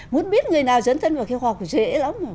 muốn biết người nào dấn thân vào khi khoa học dễ lắm